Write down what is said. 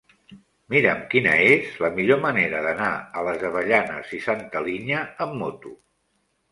Mira'm quina és la millor manera d'anar a les Avellanes i Santa Linya amb moto.